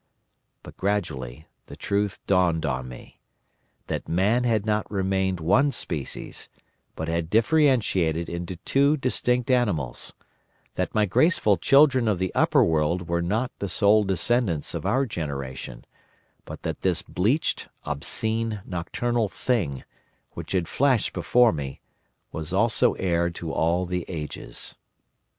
But, gradually, the truth dawned on me: that Man had not remained one species, but had differentiated into two distinct animals: that my graceful children of the Upper World were not the sole descendants of our generation, but that this bleached, obscene, nocturnal Thing, which had flashed before me, was also heir to all the ages.